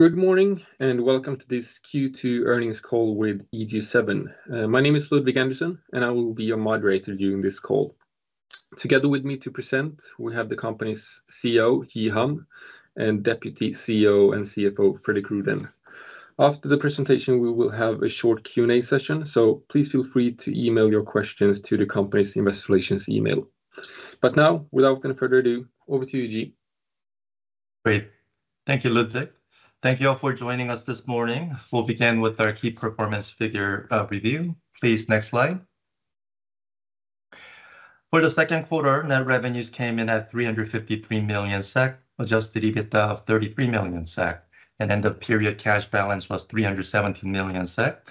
Good morning, and welcome to this Q2 earnings call with EG7. My name is Ludvig Andersson, and I will be your moderator during this call. Together with me to present, we have the company's CEO, Ji Ham, and Deputy CEO and CFO, Fredrik Rüdén. After the presentation, we will have a short Q&A session, so please feel free to email your questions to the company's investor relations email. But now, without any further ado, over to you, Ji. Great. Thank you, Ludvig. Thank you all for joining us this morning. We'll begin with our key performance figure review. Please, next slide. For the second quarter, net revenues came in at 353 million SEK, adjusted EBITDA of 33 million SEK, and end of period cash balance was 317 million SEK.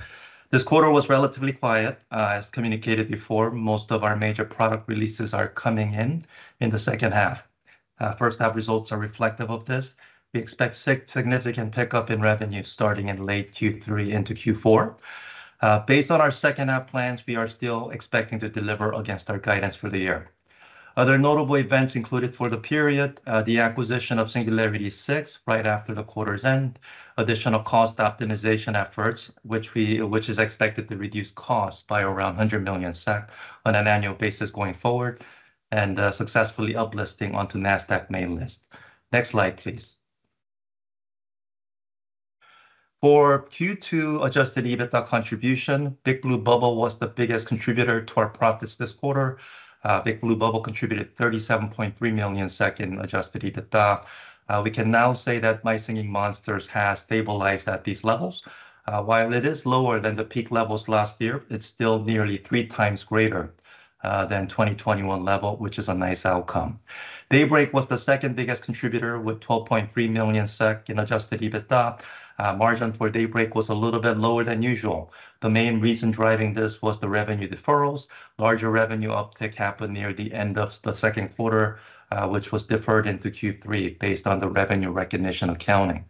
This quarter was relatively quiet. As communicated before, most of our major product releases are coming in in the second half. First half results are reflective of this. We expect significant pickup in revenue starting in late Q3 into Q4. Based on our second half plans, we are still expecting to deliver against our guidance for the year. Other notable events included for the period, the acquisition of Singularity 6 right after the quarter's end, additional cost optimization efforts, which is expected to reduce costs by around 100 million SEK on an annual basis going forward, and successfully uplisting onto Nasdaq main list. Next slide, please. For Q2 Adjusted EBITDA contribution, Big Blue Bubble was the biggest contributor to our profits this quarter. Big Blue Bubble contributed 37.3 million in Adjusted EBITDA. We can now say that My Singing Monsters has stabilized at these levels. While it is lower than the peak levels last year, it's still nearly 3 times greater than 2021 level, which is a nice outcome. Daybreak was the second-biggest contributor with 12.3 million SEK in Adjusted EBITDA. Margin for Daybreak was a little bit lower than usual. The main reason driving this was the revenue deferrals. Larger revenue uptick happened near the end of the second quarter, which was deferred into Q3 based on the revenue recognition accounting.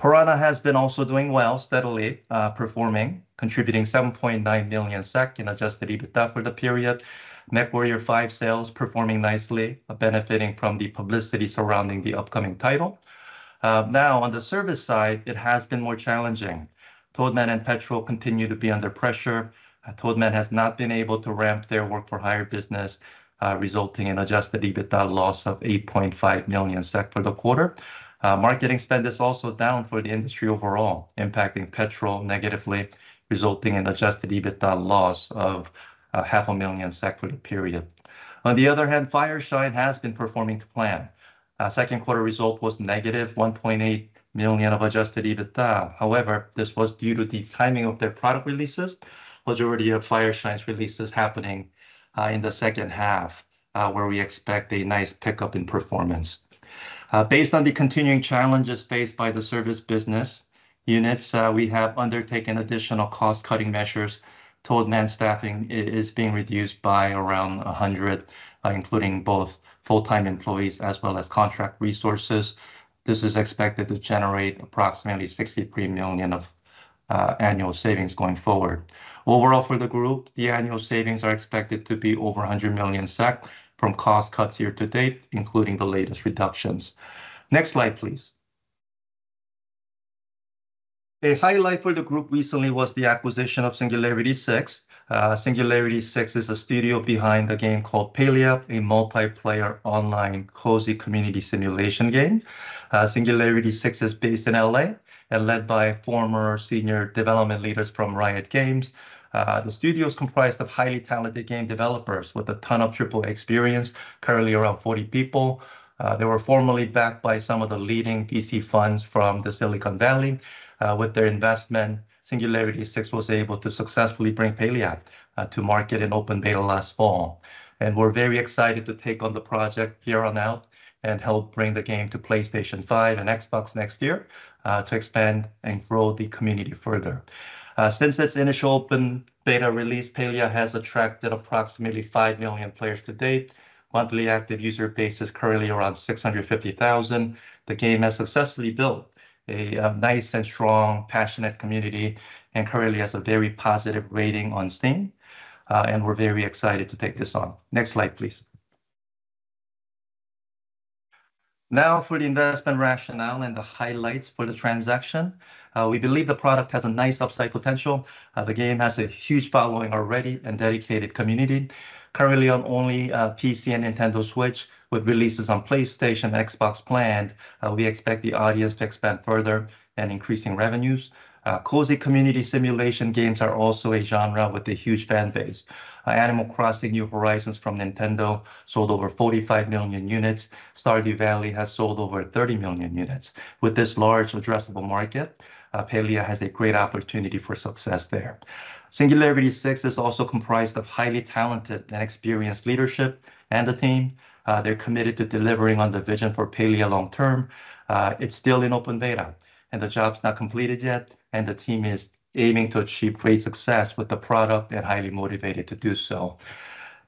Piranha has been also doing well, steadily, performing, contributing 7.9 million SEK in Adjusted EBITDA for the period. MechWarrior 5 sales performing nicely, benefiting from the publicity surrounding the upcoming title. Now, on the service side, it has been more challenging. Toadman and Petrol continue to be under pressure. Toadman has not been able to ramp their work-for-hire business, resulting in Adjusted EBITDA loss of 8.5 million SEK for the quarter. Marketing spend is also down for the industry overall, impacting Petrol negatively, resulting in Adjusted EBITDA loss of SEK 500,000 for the period. On the other hand, Fireshine has been performing to plan. Second quarter result was negative 1.8 million of Adjusted EBITDA. However, this was due to the timing of their product releases. Majority of Fireshine's releases happening in the second half, where we expect a nice pickup in performance. Based on the continuing challenges faced by the service business units, we have undertaken additional cost-cutting measures. Toadman staffing is being reduced by around 100, including both full-time employees as well as contract resources. This is expected to generate approximately 63 million of annual savings going forward. Overall, for the group, the annual savings are expected to be over 100 million SEK from cost cuts year to date, including the latest reductions. Next slide, please. A highlight for the group recently was the acquisition of Singularity 6. Singularity 6 is a studio behind the game called Palia, a multiplayer online cozy community simulation game. Singularity 6 is based in L.A. and led by former senior development leaders from Riot Games. The studio is comprised of highly talented game developers with a ton of Triple-A experience, currently around 40 people. They were formerly backed by some of the leading VC funds from the Silicon Valley. With their investment, Singularity 6 was able to successfully bring Palia to market in open beta last fall. We're very excited to take on the project here on out and help bring the game to PlayStation 5 and Xbox next year to expand and grow the community further. Since its initial open beta release, Palia has attracted approximately 5 million players to date. Monthly active user base is currently around 650,000. The game has successfully built a nice and strong, passionate community and currently has a very positive rating on Steam, and we're very excited to take this on. Next slide, please. Now for the investment rationale and the highlights for the transaction. We believe the product has a nice upside potential. The game has a huge following already and dedicated community. Currently on only PC and Nintendo Switch, with releases on PlayStation and Xbox planned, we expect the audience to expand further and increasing revenues. Cozy community simulation games are also a genre with a huge fan base. Animal Crossing: New Horizons from Nintendo sold over 45 million units. Stardew Valley has sold over 30 million units. With this large addressable market, Palia has a great opportunity for success there. Singularity 6 is also comprised of highly talented and experienced leadership and the team. They're committed to delivering on the vision for Palia long term. It's still in open beta, and the job's not completed yet, and the team is aiming to achieve great success with the product and highly motivated to do so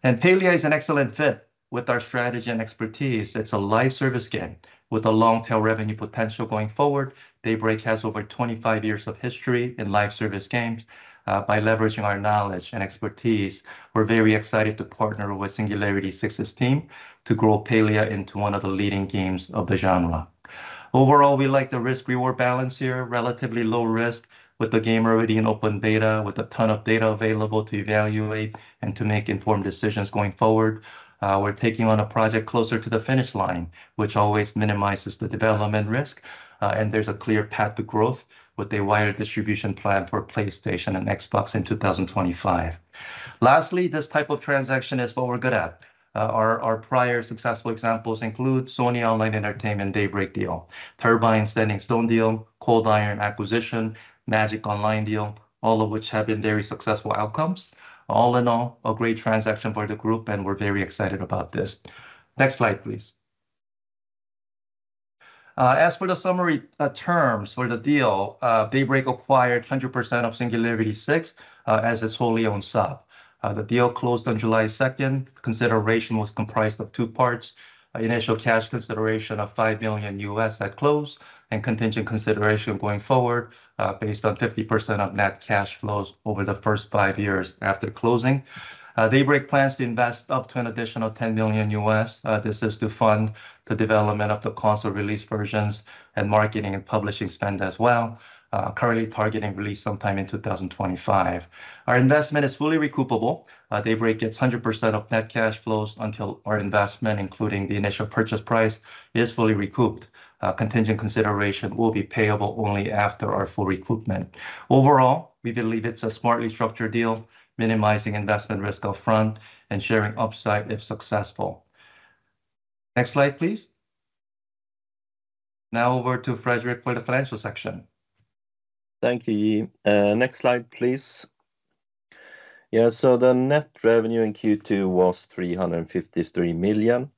and Palia is an excellent fit with our strategy and expertise. It's a live service game with a long-tail revenue potential going forward. Daybreak has over 25 years of history in live service games. By leveraging our knowledge and expertise, we're very excited to partner with Singularity 6's team to grow Palia into one of the leading games of the genre. Overall, we like the risk-reward balance here, relatively low risk, with the game already in open beta, with a ton of data available to evaluate and to make informed decisions going forward. We're taking on a project closer to the finish line, which always minimizes the development risk, and there's a clear path to growth with a wider distribution plan for PlayStation and Xbox in 2025. Lastly, this type of transaction is what we're good at. Our prior successful examples include Sony Online Entertainment Daybreak deal, Turbine Standing Stone deal, Cold Iron acquisition, Magic Online deal, all of which have been very successful outcomes. All in all, a great transaction for the group, and we're very excited about this. Next slide, please. As for the summary terms for the deal, Daybreak acquired 100% of Singularity 6 as its wholly owned sub. The deal closed on July 2. Consideration was comprised of two parts: initial cash consideration of $5 million at close, and contingent consideration going forward, based on 50% of net cash flows over the first 5 years after closing. Daybreak plans to invest up to an additional $10 million. This is to fund the development of the console release versions and marketing and publishing spend as well, currently targeting release sometime in 2025. Our investment is fully recoupable. Daybreak gets 100% of net cash flows until our investment, including the initial purchase price, is fully recouped. Contingent consideration will be payable only after our full recoupment. Overall, we believe it's a smartly structured deal, minimizing investment risk up front and sharing upside if successful. Next slide, please. Now over to Fredrik for the financial section. Thank you, Ji. Next slide, please. Yeah, so the net revenue in Q2 was 353 million,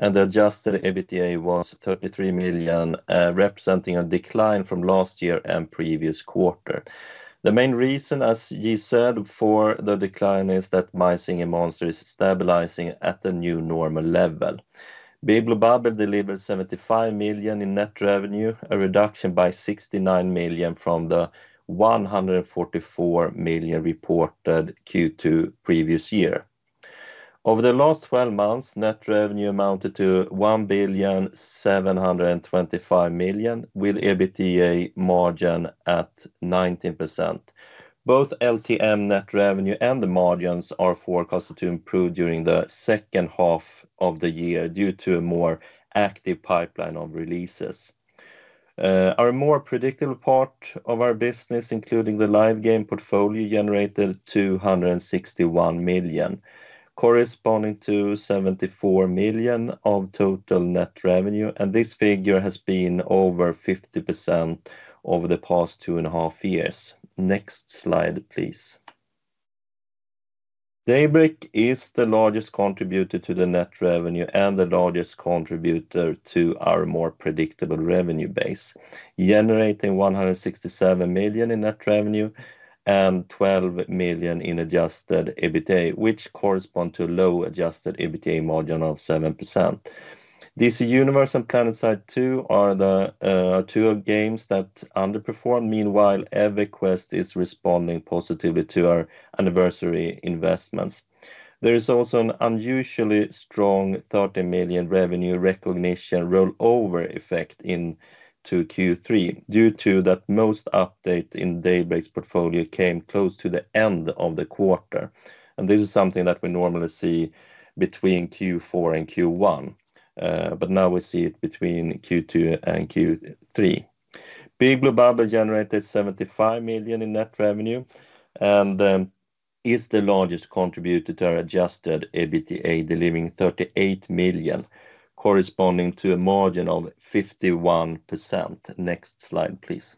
and the adjusted EBITDA was 33 million, representing a decline from last year and previous quarter. The main reason, as Ji said, for the decline, is that My Singing Monsters is stabilizing at the new normal level. Big Blue Bubble delivered 75 million in net revenue, a reduction by 69 million from the 144 million reported Q2 previous year. Over the last twelve months, net revenue amounted to 1,725 million, with EBITDA margin at 19%. Both LTM net revenue and the margins are forecasted to improve during the second half of the year due to a more active pipeline of releases. Our more predictable part of our business, including the live game portfolio, generated 261 million, corresponding to 74% of total net revenue, and this figure has been over 50% over the past 2.5 years. Next slide, please. Daybreak is the largest contributor to the net revenue and the largest contributor to our more predictable revenue base, generating 167 million in net revenue and 12 million in adjusted EBITDA, which correspond to low-adjusted EBITDA margin of 7%. DC Universe and PlanetSide 2 are the two games that underperformed. Meanwhile, EverQuest is responding positively to our anniversary investments. There is also an unusually strong 30 million revenue recognition rollover effect into Q3, due to that most update in Daybreak's portfolio came close to the end of the quarter, and this is something that we normally see between Q4 and Q1, but now we see it between Q2 and Q3. Big Blue Bubble generated 75 million in net revenue and is the largest contributor to our adjusted EBITDA, delivering 38 million, corresponding to a margin of 51%. Next slide, please.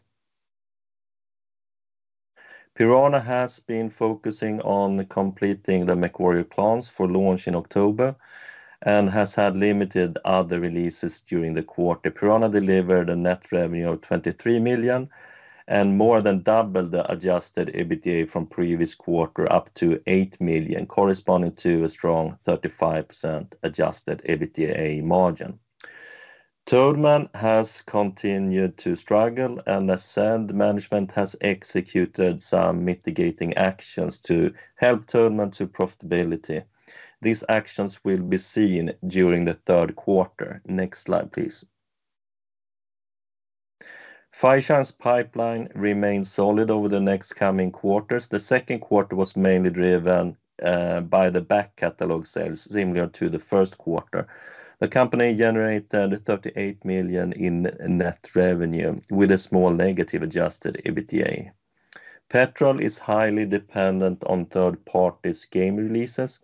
Piranha has been focusing on completing the MechWarrior 5: Clans for launch in October and has had limited other releases during the quarter. Piranha delivered a net revenue of 23 million and more than doubled the adjusted EBITDA from previous quarter up to 8 million, corresponding to a strong 35% adjusted EBITDA margin. Toadman has continued to struggle, and segment management has executed some mitigating actions to help Toadman to profitability. These actions will be seen during the third quarter. Next slide, please. Fireshine Games's pipeline remains solid over the next coming quarters. The second quarter was mainly driven by the back-catalog sales, similar to the first quarter. The company generated 38 million in net revenue, with a small negative adjusted EBITDA. Petrol is highly dependent on third parties' game releases,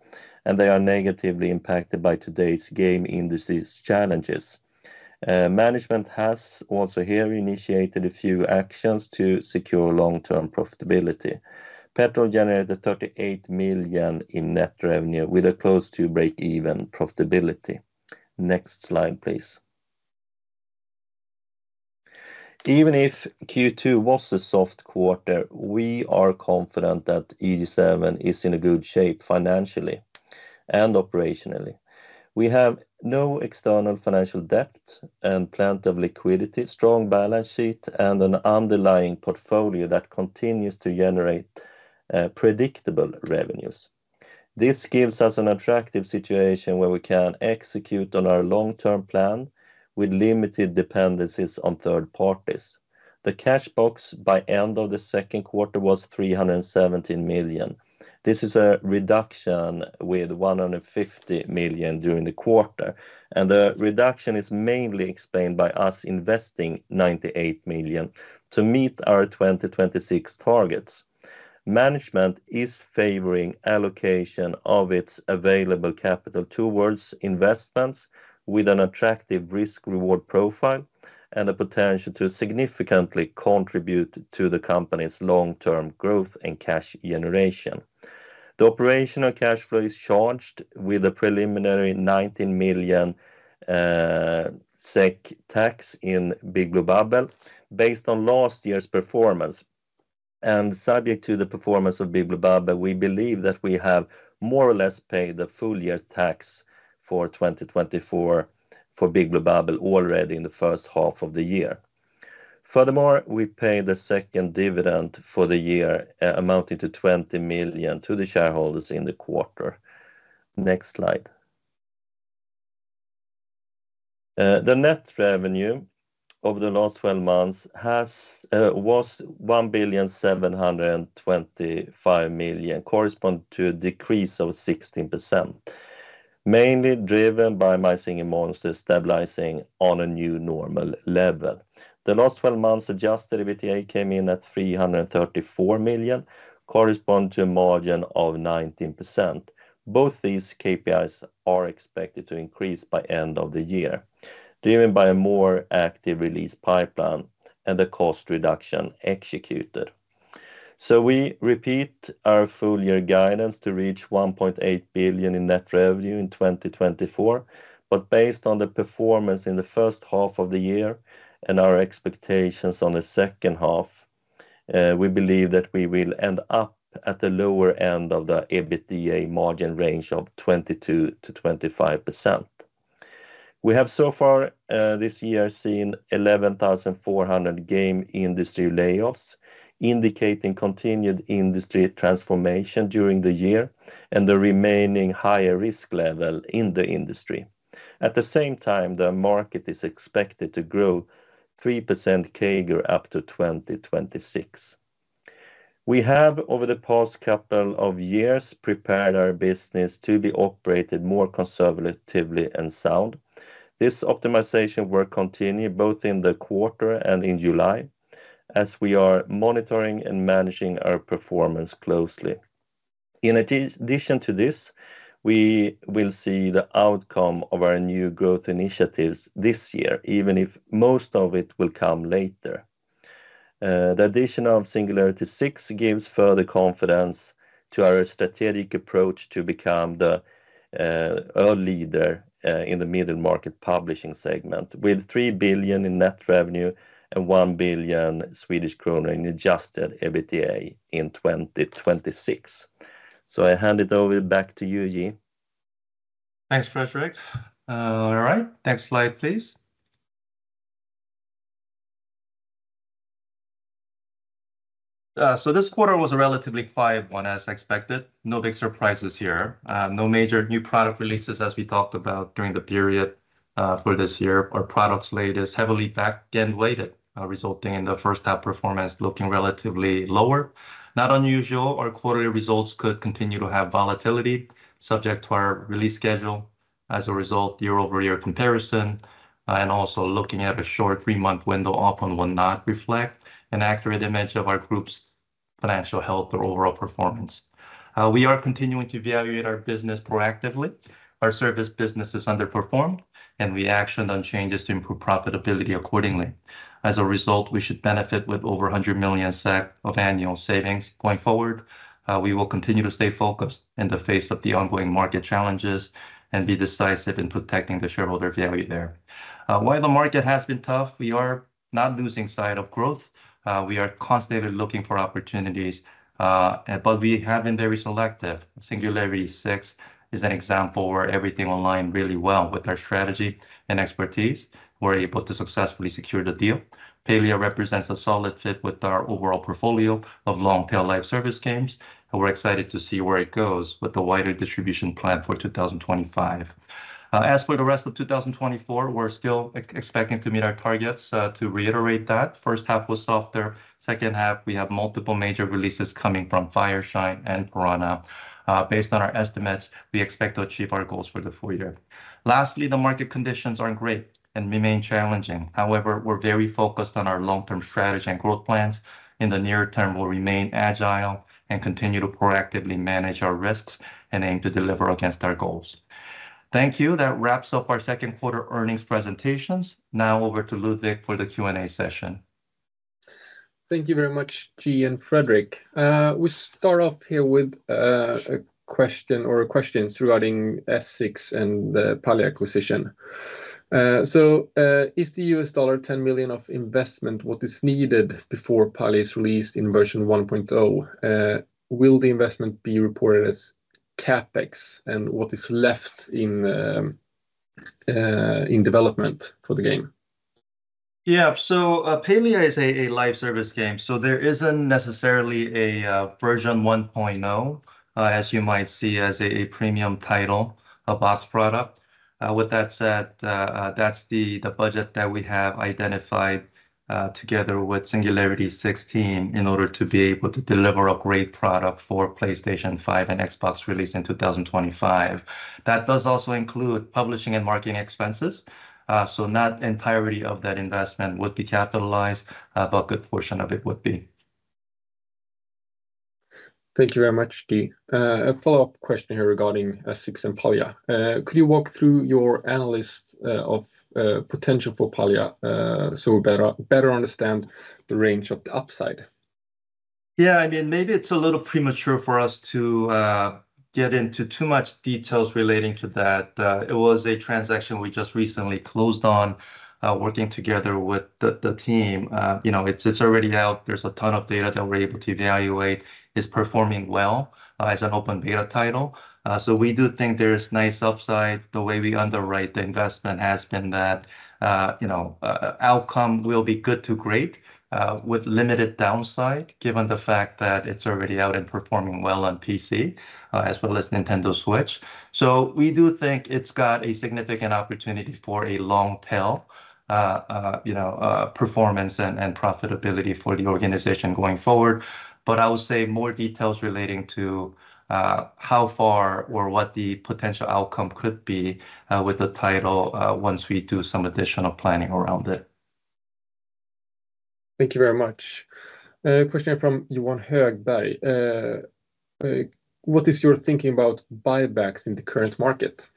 and they are negatively impacted by today's game industry's challenges. Management has also here initiated a few actions to secure long-term profitability. Petrol generated 38 million in net revenue with a close-to-break-even profitability. Next slide, please. Even if Q2 was a soft quarter, we are confident that EG7 is in a good shape financially and operationally. We have no external financial debt and plenty of liquidity, strong balance sheet, and an underlying portfolio that continues to generate predictable revenues. This gives us an attractive situation where we can execute on our long-term plan with limited dependencies on third parties. The cash box by end of the second quarter was 317 million. This is a reduction with 150 million during the quarter, and the reduction is mainly explained by us investing 98 million to meet our 2026 targets. Management is favoring allocation of its available capital towards investments with an attractive risk-reward profile and the potential to significantly contribute to the company's long-term growth and cash generation. The operational cash flow is charged with a preliminary 19 million SEK tax in Big Blue Bubble based on last year's performance. Subject to the performance of Big Blue Bubble, we believe that we have more or less paid the full year tax for 2024 for Big Blue Bubble already in the first half of the year. Furthermore, we paid the second dividend for the year, amounting to 20 million to the shareholders in the quarter. Next slide. The net revenue of the last twelve months was 1,725 million, correspond to a decrease of 16%, mainly driven by My Singing Monsters stabilizing on a new normal level. The last twelve months adjusted EBITDA came in at 334 million, correspond to a margin of 19%. Both these KPIs are expected to increase by end of the year, driven by a more active release pipeline and the cost reduction executed. So we repeat our full year guidance to reach 1.8 billion in net revenue in 2024, but based on the performance in the first half of the year and our expectations on the second half, we believe that we will end up at the lower end of the EBITDA margin range of 22%-25%. We have so far, this year seen 11,400 game industry layoffs, indicating continued industry transformation during the year and the remaining higher risk level in the industry. At the same time, the market is expected to grow 3% CAGR up to 2026. We have, over the past couple of years, prepared our business to be operated more conservatively and sound. This optimization work continued both in the quarter and in July, as we are monitoring and managing our performance closely. In addition to this, we will see the outcome of our new growth initiatives this year, even if most of it will come later. The addition of Singularity 6 gives further confidence to our strategic approach to become a leader in the middle market publishing segment, with 3 billion in net revenue and 1 billion Swedish kronor in adjusted EBITDA in 2026. So I hand it over back to you, Ji. Thanks, Fredrik. All right, next slide, please. So this quarter was a relatively quiet one, as expected. No big surprises here. No major new product releases as we talked about during the period, for this year. Our products latest heavily back-end weighted, resulting in the first half performance looking relatively lower. Not unusual, our quarterly results could continue to have volatility, subject to our release schedule. As a result, year-over-year comparison, and also looking at a short three-month window often will not reflect an accurate image of our group's financial health or overall performance. We are continuing to evaluate our business proactively. Our service business is underperformed, and we action on changes to improve profitability accordingly. As a result, we should benefit with over 100 million SEK of annual savings going forward. We will continue to stay focused in the face of the ongoing market challenges and be decisive in protecting the shareholder value there. While the market has been tough, we are not losing sight of growth. We are constantly looking for opportunities, but we have been very selective. Singularity 6 is an example where everything aligned really well with our strategy and expertise, we're able to successfully secure the deal. Palia represents a solid fit with our overall portfolio of long-tail live service games, and we're excited to see where it goes with the wider distribution plan for 2025. As for the rest of 2024, we're still expecting to meet our targets. To reiterate that, first half was softer. Second half, we have multiple major releases coming from Fireshine and Piranha. Based on our estimates, we expect to achieve our goals for the full year. Lastly, the market conditions aren't great and remain challenging. However, we're very focused on our long-term strategy and growth plans. In the near term, we'll remain agile and continue to proactively manage our risks and aim to deliver against our goals. Thank you. That wraps up our second quarter earnings presentations. Now over to Ludvig for the Q&A session. ... Thank you very much, Ji and Fredrik. We start off here with a question or questions regarding S6 and the Palia acquisition. So, is the $10 million of investment what is needed before Palia is released in version 1.0? Will the investment be reported as CapEx, and what is left in development for the game? Yeah. So, Palia is a live service game, so there isn't necessarily a version 1.0, as you might see as a premium title, a box product. With that said, that's the budget that we have identified, together with Singularity 6, in order to be able to deliver a great product for PlayStation 5 and Xbox release in 2025. That does also include publishing and marketing expenses, so not the entirety of that investment would be capitalized, but a good portion of it would be. Thank you very much, Ji. A follow-up question here regarding Singularity 6 and Palia. Could you walk through your analysis of potential for Palia so we better understand the range of the upside? Yeah, I mean, maybe it's a little premature for us to get into too much details relating to that. It was a transaction we just recently closed on, working together with the, the team. You know, it's, it's already out. There's a ton of data that we're able to evaluate. It's performing well, as an open beta title. So we do think there's nice upside. The way we underwrite the investment has been that, you know, outcome will be good to great, with limited downside, given the fact that it's already out and performing well on PC, as well as Nintendo Switch. So we do think it's got a significant opportunity for a long tail, you know, performance and, and profitability for the organization going forward. But I would say more details relating to how far or what the potential outcome could be with the title once we do some additional planning around it. Thank you very much. Question from Johan Högberg. What is your thinking about buybacks in the current market?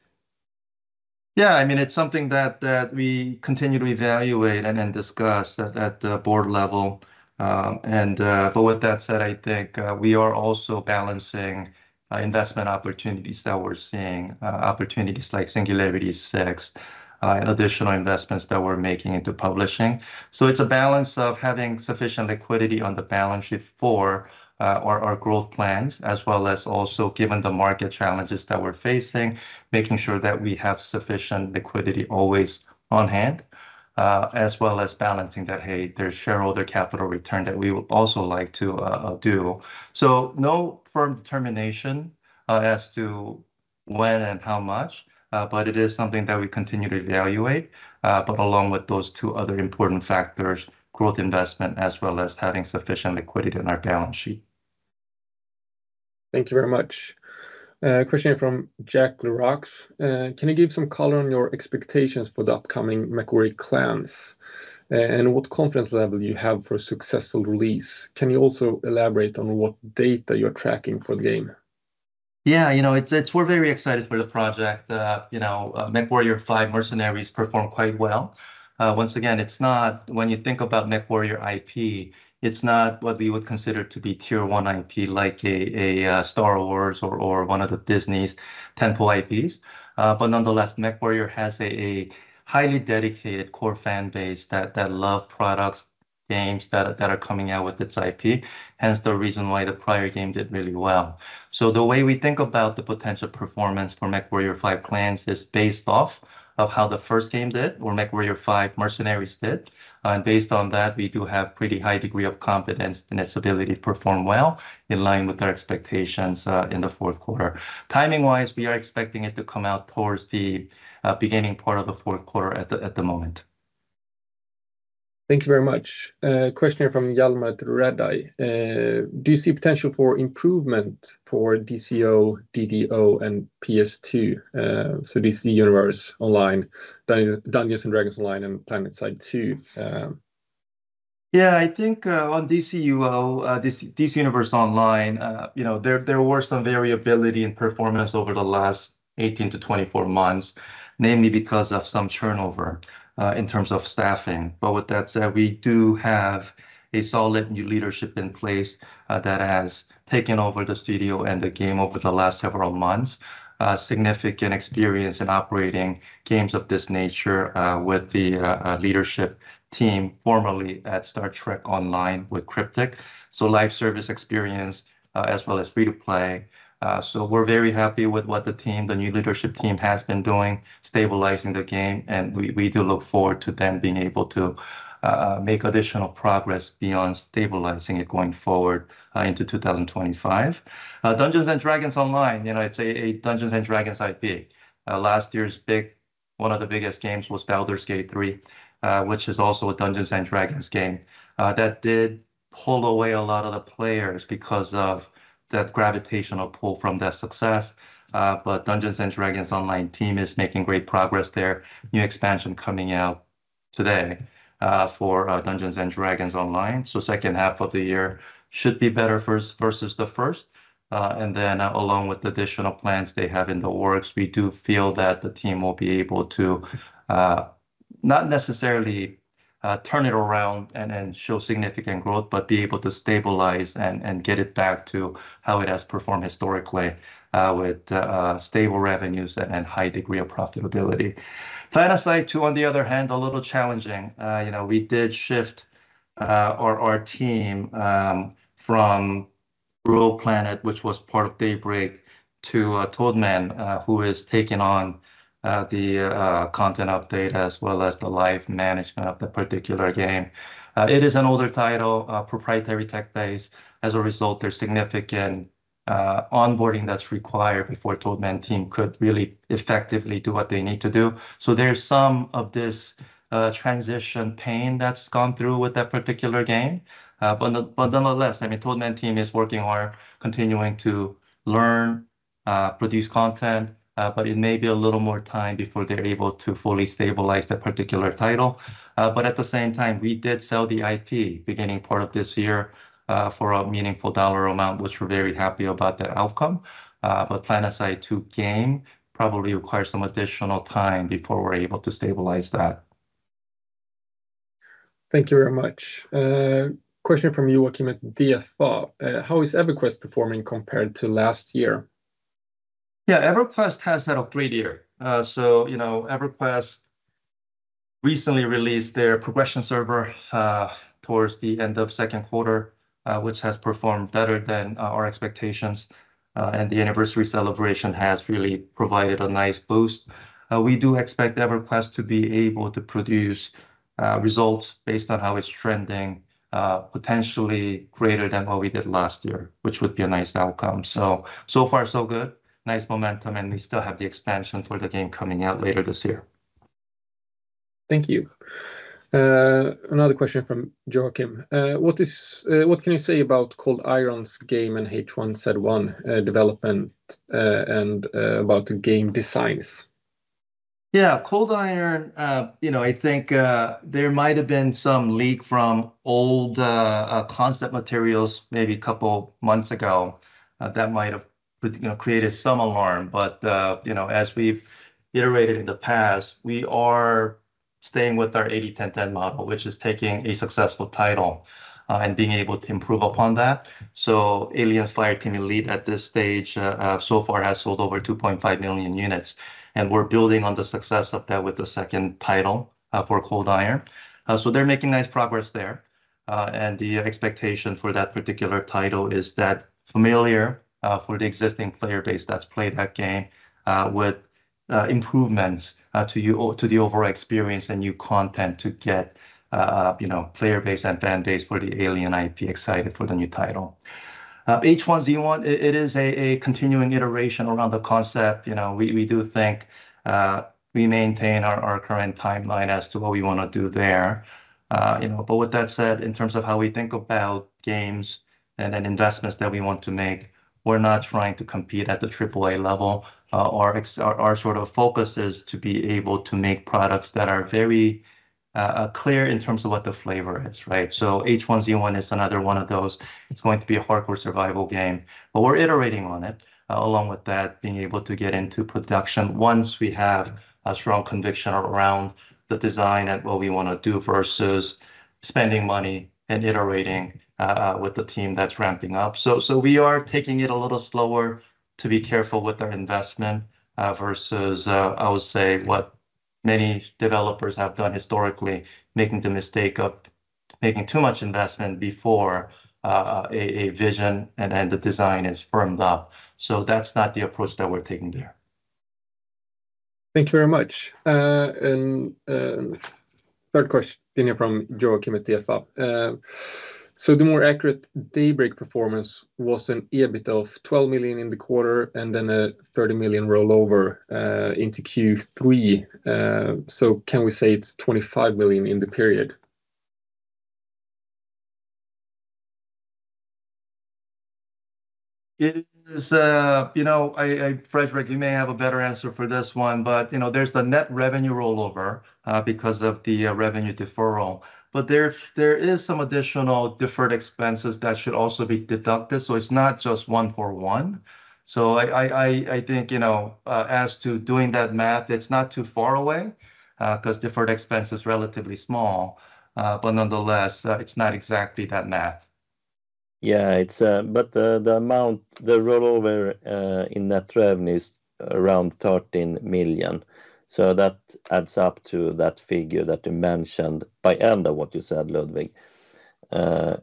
Yeah, I mean, it's something that we continue to evaluate and then discuss at the board level. But with that said, I think we are also balancing investment opportunities that we're seeing, opportunities like Singularity 6, and additional investments that we're making into publishing. So it's a balance of having sufficient liquidity on the balance sheet for our growth plans, as well as also, given the market challenges that we're facing, making sure that we have sufficient liquidity always on hand, as well as balancing that, hey, there's shareholder capital return that we would also like to do. So no firm determination as to when and how much, but it is something that we continue to evaluate, but along with those two other important factors: growth investment, as well as having sufficient liquidity in our balance sheet. Thank you very much. Question from Jack Le Roux. "Can you give some color on your expectations for the upcoming MechWarrior Clans, and what confidence level you have for a successful release? Can you also elaborate on what data you're tracking for the game? Yeah, you know, it's... We're very excited for the project. You know, MechWarrior 5: Mercenaries performed quite well. Once again, it's not, when you think about MechWarrior IP, it's not what we would consider to be tier one IP, like a Star Wars or one of the Disney's tentpole IPs. But nonetheless, MechWarrior has a highly dedicated core fan base that love products, games that are coming out with its IP, hence the reason why the prior game did really well. So the way we think about the potential performance for MechWarrior 5: Clans is based off of how the first game did, or MechWarrior 5: Mercenaries did. And based on that, we do have pretty high degree of confidence in its ability to perform well in line with our expectations in the fourth quarter. Timing-wise, we are expecting it to come out towards the beginning part of the fourth quarter at the moment. Thank you very much. Question from Hjalmar Ahlberg. "Do you see potential for improvement for DCUO, DDO, and PS2?" So DC Universe Online, Dungeons and Dragons Online, and PlanetSide 2. Yeah, I think, on DCUO, DC Universe Online, you know, there were some variability in performance over the last 18-24 months, namely because of some turnover in terms of staffing. But with that said, we do have a solid new leadership in place that has taken over the studio and the game over the last several months. Significant experience in operating games of this nature with the leadership team, formerly at Star Trek Online with Cryptic, so live service experience as well as free-to-play. So we're very happy with what the team, the new leadership team, has been doing, stabilizing the game, and we do look forward to them being able to make additional progress beyond stabilizing it going forward into 2025. Dungeons & Dragons Online, you know, it's a Dungeons & Dragons IP. Last year's big one of the biggest games was Baldur's Gate 3, which is also a Dungeons & Dragons game. That did pull away a lot of the players because of that gravitational pull from their success. But Dungeons & Dragons Online team is making great progress there. New expansion coming out today, for Dungeons & Dragons Online, so second half of the year should be better first versus the first. And then along with the additional plans they have in the works, we do feel that the team will be able to, not necessarily, turn it around and, and show significant growth, but be able to stabilize and, and get it back to how it has performed historically, with, stable revenues and, and high degree of profitability. PlanetSide 2, on the other hand, a little challenging. You know, we did shift, our, our team, from Rogue Planet, which was part of Daybreak, to, Toadman, who is taking on, the, content update, as well as the live management of the particular game. It is an older title, proprietary tech base. As a result, there's significant, onboarding that's required before Toadman team could really effectively do what they need to do. So there's some of this transition pain that's gone through with that particular game. But nonetheless, I mean, Toadman team is working hard, continuing to learn, produce content, but it may be a little more time before they're able to fully stabilize that particular title. But at the same time, we did sell the IP, beginning part of this year, for a meaningful dollar amount, which we're very happy about that outcome. But PlanetSide 2 game probably requires some additional time before we're able to stabilize that. Thank you very much. Question from Joakim at DNB "How is EverQuest performing compared to last year? Yeah, EverQuest has had a great year. So, you know, EverQuest recently released their progression server towards the end of second quarter, which has performed better than our expectations, and the anniversary celebration has really provided a nice boost. We do expect EverQuest to be able to produce results based on how it's trending, potentially greater than what we did last year, which would be a nice outcome. So, so far, so good, nice momentum, and we still have the expansion for the game coming out later this year. Thank you. Another question from Joakim: "What can you say about Cold Iron's game and H1Z1 development, and about the game designs? Yeah, Cold Iron, you know, I think, there might have been some leak from old, concept materials maybe a couple months ago, that might have, you know, created some alarm. But, you know, as we've iterated in the past, we are staying with our 80-10-10 model, which is taking a successful title, and being able to improve upon that. So Alien Fireteam Elite, at this stage, so far, has sold over 2.5 million units, and we're building on the success of that with the second title, for Cold Iron. So they're making nice progress there. And the expectation for that particular title is that familiar, for the existing player base that's played that game, with improvements to the overall experience and new content to get, you know, player base and fan base for the Alien IP excited for the new title. H1Z1, it is a continuing iteration around the concept. You know, we do think we maintain our current timeline as to what we wanna do there. You know, but with that said, in terms of how we think about games and then investments that we want to make, we're not trying to compete at the triple-A level. Our focus is to be able to make products that are very clear in terms of what the flavor is, right? So H1Z1 is another one of those. It's going to be a hardcore survival game, but we're iterating on it, along with that, being able to get into production once we have a strong conviction around the design and what we wanna do, versus spending money and iterating with the team that's ramping up. So we are taking it a little slower to be careful with our investment, versus I would say what many developers have done historically, making the mistake of making too much investment before a vision and the design is firmed up. So that's not the approach that we're taking there. Thank you very much. Third question here from Joakim at DFA: "So the more accurate Daybreak performance was an EBIT of 12 million in the quarter, and then a 30 million rollover into Q3. So can we say it's 25 million in the period? It is. You know, I, I, Fredrik, you may have a better answer for this one, but, you know, there's the net revenue rollover, because of the revenue deferral. But there is some additional deferred expenses that should also be deducted, so it's not just one for one. So I think, you know, as to doing that math, it's not too far away, 'cause deferred expense is relatively small, but nonetheless, it's not exactly that math. Yeah, it's, but the amount, the rollover in net revenue is around 13 million, so that adds up to that figure that you mentioned, by end of what you said, Ludvig. But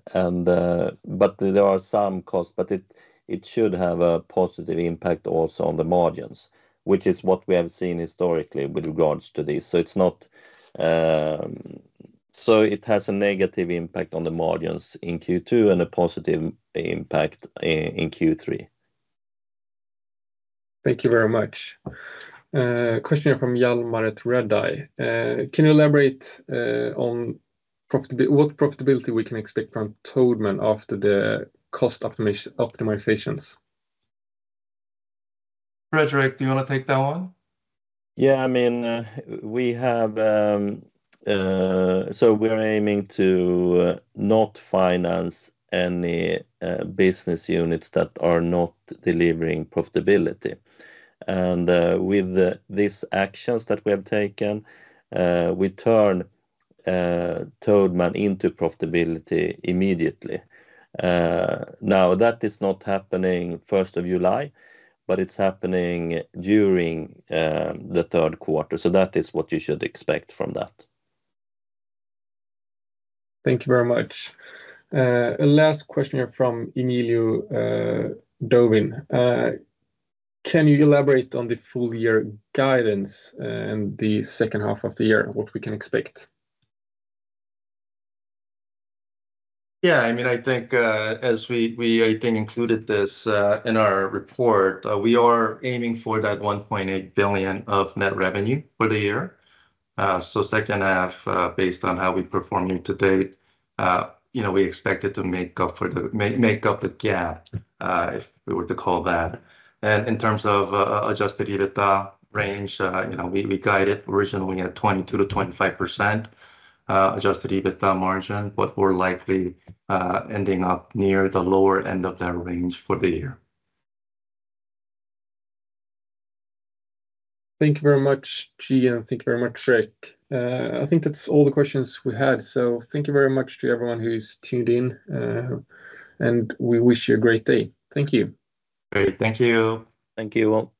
there are some costs, but it should have a positive impact also on the margins, which is what we have seen historically with regards to this. So it's not... So it has a negative impact on the margins in Q2 and a positive impact in Q3. Thank you very much. Question from Hjalmar at Redeye: "Can you elaborate on profitability—what profitability we can expect from Toadman after the cost optimizations? Fredrik, do you wanna take that one? Yeah, I mean, So we're aiming to not finance any business units that are not delivering profitability. And, with these actions that we have taken, we turn Toadman into profitability immediately. Now, that is not happening 1st of July, but it's happening during the third quarter, so that is what you should expect from that. Thank you very much. A last question here from Emil Dövling: "Can you elaborate on the full year guidance and the second half of the year, what we can expect? Yeah, I mean, I think, as we, I think, included this, in our report, we are aiming for that 1.8 billion of net revenue for the year. So second half, based on how we're performing to date, you know, we expect it to make up the gap, if we were to call that. And in terms of, Adjusted EBITDA range, you know, we guided originally at 22%-25%, Adjusted EBITDA margin, but we're likely, ending up near the lower end of that range for the year. Thank you very much, Ji, and thank you very much, Fred. I think that's all the questions we had, so thank you very much to everyone who's tuned in, and we wish you a great day. Thank you. Great. Thank you. Thank you, all.